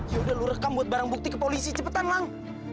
yaudah lu rekam buat barang bukti ke polisi cepetan lang